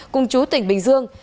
cùng chú tỉnh bình dương